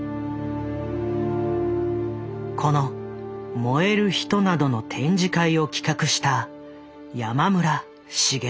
この「燃える人」などの展示会を企画した山村茂雄。